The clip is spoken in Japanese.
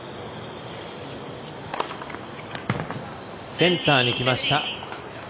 センターにきました。